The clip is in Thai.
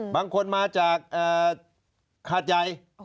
บางคนมาจากฮาดใจ